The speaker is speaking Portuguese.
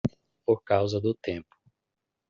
Por causa do tempo